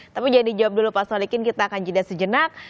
tapi jangan dijawab dulu pak solikin kita akan jeda sejenak